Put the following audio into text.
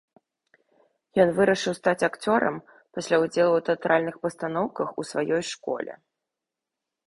Ён вырашыў стаць акцёрам пасля ўдзелу ў тэатральных пастаноўках у сваёй школе.